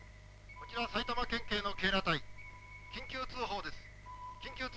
☎こちら埼玉県警の警ら隊緊急通報です緊急通報です。